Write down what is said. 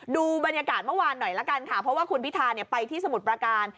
ดูบรรยากาศเมื่อวานหน่อยละกันค่ะเพราะว่าคุณพิธาไปที่สมุทรประการ